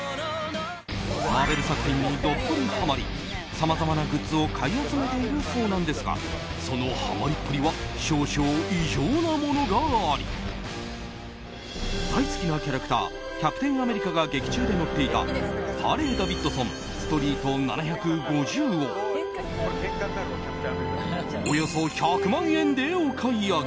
マーベル作品にどっぷりハマりさまざまなグッズを買い集めているそうなんですがそのハマりっぷりは少々異常なものがあり大好きなキャラクターキャプテン・アメリカが劇中で乗っていたハーレーダビッドソンストリート７５０をおよそ１００万円でお買い上げ。